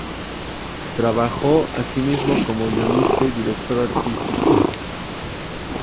Trabajó asimismo como guionista y director artístico.